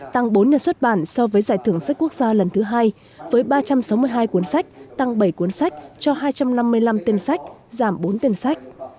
tăng bốn nhà xuất bản so với giải thưởng sách quốc gia lần thứ hai với ba trăm sáu mươi hai cuốn sách tăng bảy cuốn sách cho hai trăm năm mươi năm tên sách giảm bốn tên sách